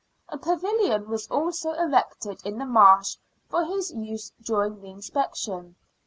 A pavilion was also erected in the Marsh for his use during the inspection.